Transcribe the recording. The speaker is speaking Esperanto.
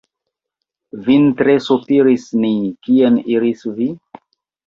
Vin tre sopiris ni, kien iris vi?